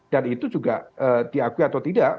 dan itu juga diakui atau tidak